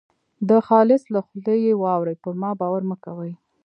د خالص له خولې یې واورۍ پر ما باور مه کوئ.